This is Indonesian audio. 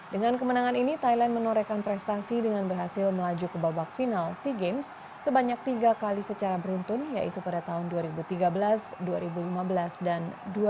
dengan kemenangan ini thailand menorekan prestasi dengan berhasil melaju ke babak final sea games sebanyak tiga kali secara beruntun yaitu pada tahun dua ribu tiga belas dua ribu lima belas dan dua ribu delapan belas